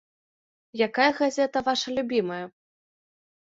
Якая газета ваша любімая?